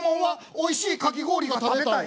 「美味しいかき氷が食べたい」。